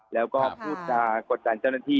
แล้วก็พูดจากกดดันเจ้าหน้าที่